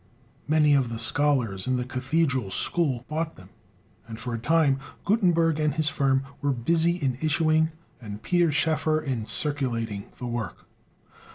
Many of the scholars in the Cathedral school bought them; and for a time Gutenberg and his firm were busy in issuing and Peter Schoeffer in circulating the work.